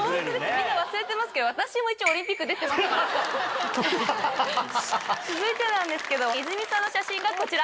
みんな忘れてますけど私も一応。続いてなんですけど泉さんの写真がこちら。